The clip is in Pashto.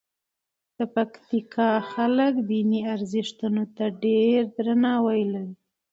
د پکتیکا خلک دیني ارزښتونو ته ډېر درناوی لري.